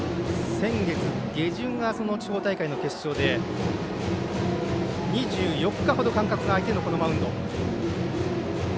先月下旬が地方大会の決勝で２４日ほど間隔が開いてのこのマウンド。